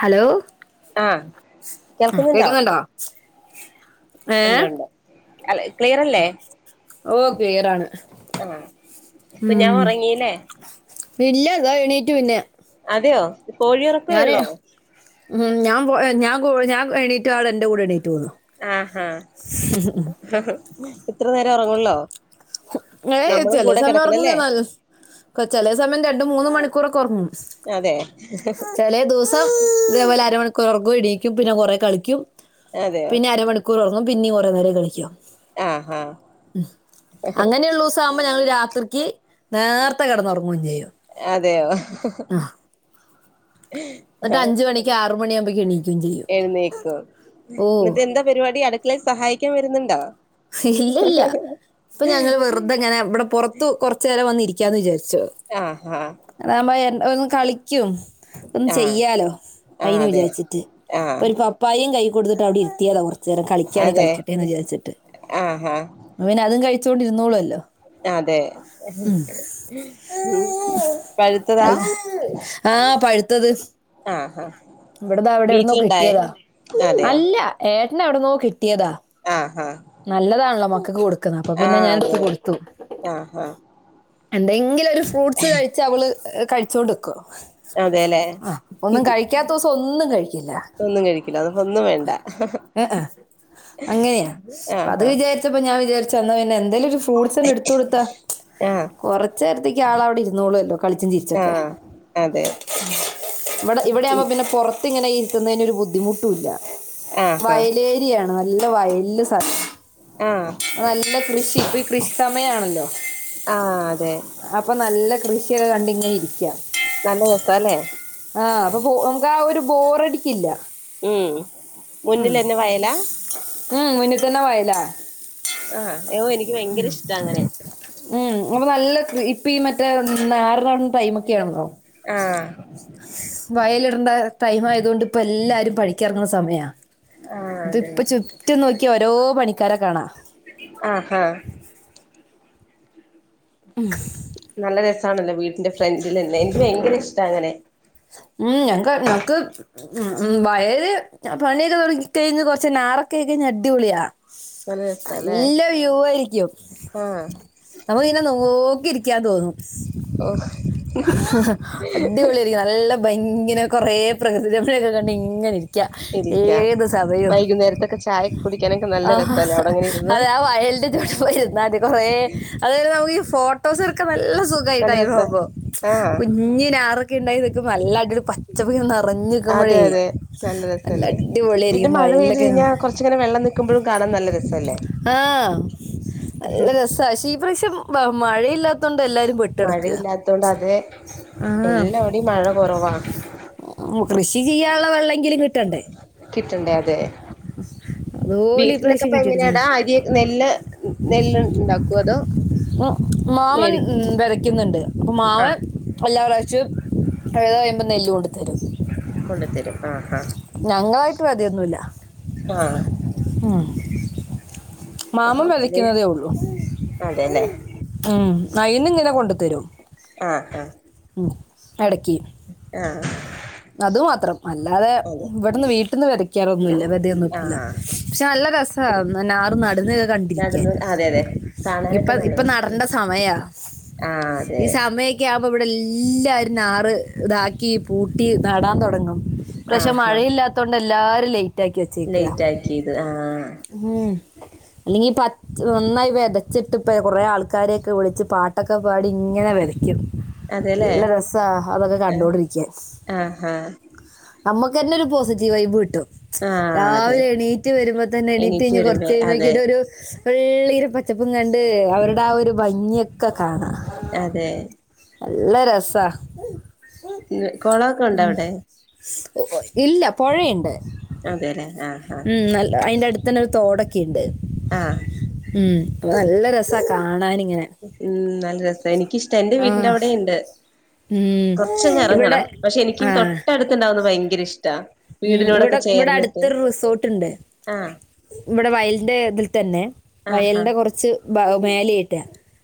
Hello ആഹ് കേൾക്കുന്നുണ്ടോ കേക്കുന്നുണ്ടോ ഏ ഉണ്ട് ഉണ്ട് അ ക്ലിയർ അല്ലേ ഓ ക്ലിയർ ആണ് ആകുഞ്ഞാൻ ഉറങ്ങീലെ ഇല്ല ഇതാ എണീറ്റ് പിന്നെ അതെയോ കോഴിഉറക്കോ ഞാന് ഉള്ളോ ഉം ഞാൻ ഞാൻ എണീറ്റാൾ എന്റെ കൂടാ എണീക്കും ആഹാ ഇത്ര നേരം ഉറങ്ങല്ലോ ഏയ് ചില സമയങ്ങൾ ഉറങ്ങൂല ചില സമയങ്ങളിൽ രണ്ട്മൂന്ന് മണിക്കൂർ ഉറങ്ങും അതെ ചില ദിവസം ഇതേപോലെ അരമണി ഉറങ്ങും എണീക്കും പിന്നെ കുറേ കളിക്കും അതെയോ പിന്നെ അരമണിക്കൂർ ഉറങ്ങും പിന്നീ കുറേ നേരം കളിക്കാം ആആ അങ്ങനയുള്ളുസം ആകുമ്പോൾ ഞങ്ങൾ രാത്രിക്ക് നേരത്തെ കിടന്നു ഉറങ്ങുകയും ചെയും അതെയോ ആ പത്തുമണികുമ്പെയ്ക്കും എണീക്കും എഴുന്നേക്ക ഇന്നത്തെ എന്താ പരിപാടി അടുക്കളയിൽ സഹായിക്കാൻ വരുന്നുണ്ടോ ഇല്ല ഇല്ല ഇപ്പൊ ഞങ്ങൾ വെറുതെങ്ങനെ ഇവിടെ പുറത്തു കൊറച്ചു നേരം വന്നിരിക്കാന്ന് വിചാരിച്ചു ആഹാ അതാവുമ്പോ ഓന് കളിക്കും ഒന്ന് ആഹ് ചെയ്യാലോ ആഹ് അയിന്ന് അതെ വിചാരിച്ചിട്ട് ആഹ് ഇപ്പൊ ഒരു പപ്പായയും കൈ കൊടുത്തിട്ട് അവിടെ ഇരുത്തിയതാ കുറച്ച നേരം കളിക്കാണ് എങ്കിൽ കളിക്കട്ട എന്ന് വിചാരിട്ട് ആ ആ കഴിച്ചോടിരുന്നോളാല്ലോ അതെ ഉ അ ആഹ പഴുത്തത് ആഹാ ഇവിടതാ അവിടെ എവിടന്നോ വീട്ടിലുണ്ടായ കിട്ടിയതാ അതെയോ അല്ല ഏട്ടന എവിടന്നോ കിട്ടിയതാ ആഹ് ആഹ് നല്ലതാണല്ലോ മക്കൾ ക്ക് കൊടുക്കുന്ന അപ്പൊ പിന്നെ ആഹ് ഞാൻ ഇപ്പ അതെ കൊടുത്തു ആഹ് ആഹ് എന്തെങ്കിലും ഒരു ഫ്രൂട്ട്സ് കഴിച്ചാൽ അവള് കഴിച്ചോണ്ടിരിക്കും അതെല്ലേ ആ ഒന്നും കഴിക്കാത്ത ദിവസം ഒന്നും കഴിക്ക ഒന്നും കഴിക്കില്ല അത് ഒന്നും വേണ്ട ഏ ആ അങ്ങനെയാ ആഹ് അത് ആഹ് വിചരിച്ചപ്പോ ഞാൻ വിചാരിച്ചാ പിന്നെ എന്തേലും ഒരു ഫ്രൂട്ട്സ്ന്നെ എടുത്ത കൊടുത്താ ആഹ് കൊറച്ച നേരത്തേക്ക് ആൾ അവിടെ ഇരുന്നോളുല്ലോ കളിച്ചും ചിരിച്ചൊക്കെ ആഹ് അതെ ഇവിടെ ഇവിടെയാവുമ്പോ പിന്നെപുറത്ത് ത്തി ഇങ്ങനെ ഇരിക്കുന്നതിനു ഒരു ബുദ്ധിമുട്ടുല്ല ആഹ് ആഹ് വയൽ ഏരിയ ആണ് നല്ല വയല് സ ആഹ് നല്ല കൃഷി ഇപ്പൊ ഈ കൃഷി സമയ ആണല്ലോ ആഹ് അതെ അപ്പൊ നല്ല കൃഷിയക്കെ കണ്ടിങ്ങനെ ഇരിക്ക നല്ല രസാല്ലേ ആ അപ്പൊ നമുക്ക് ആ ബോറടിക്കില്ല ഉം മുന്നിൽന്നെ വയലാ ഉം മുന്നിൽ തന്ന വയല ആഹ് എനിക്ക് ഭയങ്കര ഇഷ്ട അങ്ങനെ ഉം അപ്പൊ നല്ല ഇപ്പ ഈ മറ്റേ നറാണ ടൈമൊക്കെയ ആണല്ലോ ആഹ വയലിടണ്ട ടൈം ആയത കൊണ്ട് ഇപ്പ എല്ലാരും പണിക്കിറങ്ങുന്ന സമയ ആഹ് അത് അതെ ഇപ്പ ചുറ്റും നോക്കിയ ഓരോ പണിക്കാര കാണാ ആഹാ നല്ല രസമാണല്ലോ വീട്ടിന്റെ ഫ്രണ്ടിലല്ലെ എനിക്ക് ഭയങ്കര ഇഷ്ട അങ്ങനെ ഉം ഞങ്ങക്ക് ഞങ്ങക്ക് ഉ വയല് പണിയൊക്കെ തുടങ്ങ കഴിഞ് കുറച്ച്ാറ ഒക്കഴഞ്ഞ അടിപളിയാ നല്ല രസാല്ലേ നല്ല വ്യൂ ആയിരിക്കും ആഹ് നമ്മുക്ക ഇനെ നോ നോക്കി ഇരിക്കാൻ തോന്നും ഓഹ് അടിപൊളിയാ നല്ല ഭയങ്കര കൊറെേ പ്രകൃതികളൊക്കെ കണ്ട ഇങ്ങനെ ഏ ഇരിക്കാം ഏതു സമയവും വൈകുന്നേരത്തൊക്കെ ചായ കുടിക്കാനൊക്കെ ആ നല്ല രസല്ലേ അവിടെങ്ങനെ ഇരുന്ന് അതെ ആ വയ കുറേ അ നമുക്ക് ഫോട്ടോ ഫോട്ടോസ് ഒക്കെ നല്ല നല്ല സുഖമായിട്ടായി രസ പോ്പ ആഹ് കുഞ്ഞ ഞറൊക്കെ ഉണ്ടായി നക്ക നല്ല ഒരു പച്ചപ്പ നിറഞ്ഞ അതെ വക്കുമ്പോഴേ അതെ നല്ല രസല്ലേ അടിപൊളിയ ആയിരിക്കും വയല്ലൊക്കെന ഇന വെള്ളംൽക്കുമ്പഴും കാാ ന രം ആഹ ശഈപ്രശ്യം മഴയില്ലാത്തണ്ട് എല്ലാരും പെട്ടു കിടക്കുക മഴയില്ലാത്തോണ്ട് അതെ ആഹ എല്ലാവിടെയും മഴ കൊറവാ കൃഷി ചെയ്യാനുള്ള വെള്ളെങ്കിലും കിട്ടണ്ടേ ട്ടണ്ട അതെ അതുപോലെ ഈ വീട്ടിലൊക്കെ പ്രാവശ്യം ഇപ്പ എങ്ങനെയാടാ കിട്ടിയിട്ടുണ്ട് അരിയെ നെല്ല് നെല്ണ്ടാക്കൂ അതോ മാമൻ മേടി വതയ്ക്കുന്നുണ്ട് അപ്പൊ ആഹ് മാവൻ എല്ലാ ുത കയിയുമ്പോൾ നെല്ല് കൊണ്ട് തരും കൊണ്ടുത്തരും ആ ആാ ഞങ്ങളായിട്ടും അതിന്നുമല്ല ആഹ് ഉ ആഹ് മാമം അപ്പഴ് വലക്കുന്നതേ ഉള്ളു അതെല്ലേ ഉം നയിന്ന ഇങ്ങനെ കൊണ്ടു തരും ആഹ് ആഹ് ഇടക്കി ആഹ് അതു മാത്രം അല്ലാതെ അതെ ഇവിടന്ന് വീട്ടിന്ന് വരയ്ക്കാറൊന്നുമല്ല വതയൊന്നുംല്ല ആഹ് പക്ഷെല്ലാത രസാറ് നടന്ന്ക്കെ കണ്ടിരിക്കാൻ നടന്ന് അതെ അതെ കാണാനൊക്കെ ഇപ്പൊ നല്ല ഇപ്പൊ രസല്ലേ നടണ്ട സമയ ആഹ് അതെ ഈ സമയക്ക ഇവിടെ എല്ലരും നാറ് ഇതാക്കി പൂട്ടി നടാൻ തുടങ്ങും പക്ഷെ ആഹാ മഴയില്ലാത്തോണ്ട് എല്ലാാരുംല്ലേ റ്റാക്കി വെച്ചേക്കാ ലേറ്റ് ആക്കിയത് ആഹ് ഉം അല്ലെങ്കിൽ പ ഒന്നായി വെതച്ചിട്ട് പ്പെ കുറെ ആൾക്കാരെക്കെ വിളിച്ച് പാട്ടൊക്കെ പാടി ഇങ്ങനെ വെതക്കും അതെല്ലേ നല്ല രസ അതൊക്കെ കണ്ടോണ്ടിരിക്കാൻ ആഹാ അമ്മ ക്കെന്നൊരു പോസിറ്റീവ് വൈബ് കിട്ടും ആഹ് അതെ രാവിലെ എണീറ്റ് വരുമ്പോ തന്നെ എണീറ്റ് കഴിഞ്ഞ് വരുമ്പോ കൊറച്ചയ്യുമ്പഴ് അതെ ക്കൊരൊരു വെള്ളിരെ പച്ചപ്പും കണ്ട് അവരുടെ ആ ഒരു ഭംഗിയൊക്കെ കാണാം അതെ നല്ല രസാ കൊളൊക്കൊണ്ടോ അവടെ ഇല്ല പൊഴയ്ണ്ട് അതെല്ലേ ആഹ് ആഹ് ഉം നല്ല അയിന്റെ അട്ത്തെന്നൊരു തോടൊക്കെണ്ട് ആ നല്ല രസം കാണാന് ഉം നല്ല രസം എനിക്കിഷ്ട എൻ്റെ ആ വീട്ടിന്റവടെണ്ട് ഉം, കൊർച്ചങ് ഇവിടെ എറങ്ങണം പക്ഷെ എനിക്ക് ആ തൊട്ടട്ത്ത്ണ്ടാവുന്നത് ഭയങ്കര ഇഷ്ട ഉം ഇവടെ ഇവട ട്ത്തൊരു റിസോർട്ട്ണ്ട് ആഹ് ഇവടെ വയല്ന്റെ ഇതിൽ തന്നെ ആഹ് ആഹ് വയലിന്റെ കൊറച്ച് ഭഗ് മേലായിട്ട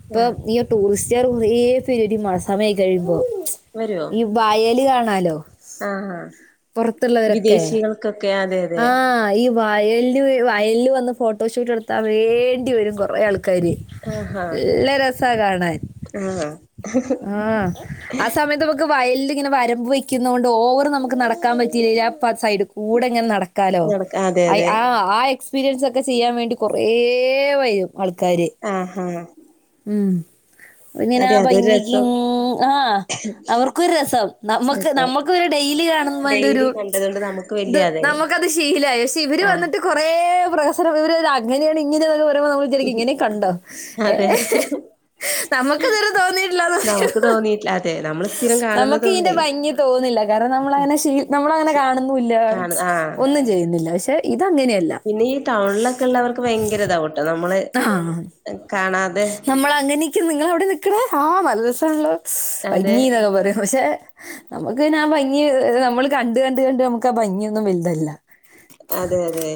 ഇപ്പൊ ആഹ് ഈ ടൂറിസ്റ്റുകാർ കുറേ പേര് മഴസമയ കഴിയുമ്പോ ഈ വായല് കാണാലോ ആ പുറത്തുള്ളവരൊക്കെ വിദേശികൾക്കൊക്കെ അതെ യതെ. ആ ഈ വയല് വയൽല് വന്ന് ഫോട്ടോഷൂട്ട് എട്ത്താ വേണ്ടിവരും കുറേ ആ കര് ആഹാ ല്ലരസാ കാണാൻ. ആഹ് ആ ആസമയത്ത് ന ക്ക് വയൽല്ങ്ങനെ വരമ്പ് വെക്കുന്നോണ്ട് ഓവർ നമക്ക് നടക്കാൻ പറ്റില്ലേലും ആ പസൈഡ്ക്കൂടങ്ങനെ നട ക്കലോ നടക്ക അതെ ഐ അതെ ആ ആയ് സ്പീരിയൻസൊക്കെ ചെയ്യാൻ വേണ്ടി കൊറേ വരും ആൾക്കാര് ആഹാ ഉം. ഇങ്ങനാ അതെ അതൊരു ഭംഗി ലിൻ രസം ആ അവർക്കൊരു രസം നമക്ക് രസം നമ്മക്ക് പിന്നെ ഡെയ്ലി കാണുന്നെന്റോരു ഡെയിലി കണ്ടതൊണ്ട് നമുക്ക് ത് വല്യ അതെ നമുക്കത് ശീലായി ശേ ഇവര് ആഹ് വന്നിട്ട് കുറേ പ്രസര വിവര അങ്ങനെണ് ഇങ്ങനെണ് പ പ്പൊ നമ്മള് വിചാരിക്കും ഇങ്ങനെകണ്ടോ അതെ നമക്ക്‌ത് വരെ തോന്നി നമുക്ക് തോന്നിയിട്ടില്ല അതെ നമ്മള് സ്ഥിരം നമ്മക്കിയിന്റെ കാണുന്നതൊണ്ടേ ഭംഗി തോന്നില്ല കാരണം നമ്മളങ്ങനെ ശീലി നമ്മളങ്ങ കാണുന്നുല്ല കാണ ആഹ് ഒന്നും ചെയ്യുന്നില്ല. പക്ഷെ ഇതങ്ങനെയല്ല പിന്നെ ഈ ടൗൻണിലൊക്കെ ള്ളവർക്ക് വെയങ്കരതാകുട്ടോ നമ്മ അ നമ്മളങ്ങനെക്കെ നിങ്ങളവടെനിക്കണേ ആ നല്ല രസാണല്ലോ അതെ ഭംഗീ ന്നൊക്കെ പറിം പക്ഷെ നമുക്ക്ന്നെ ആ ഭംഗി നമ്മൾ കണ്ട് കണ്ട് കണ്ട് നമുക്ക ഭംഗിന്നും വെൽതല്ല അതെ യതെ.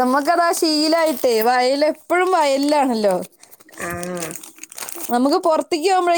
നമുക്കതാ ശീലായിട്ടേ വയലെപ്പഴും വയല് ലാണല്ലോ ആ നമുക്ക് പൊർത്തിക്കൊവുമ്പഴെ